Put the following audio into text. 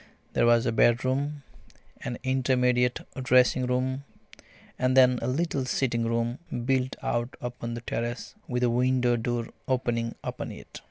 There was a bedroom, an intermediate dressing room, and then a little sitting room built out upon the terrace, with a window door opening upon it.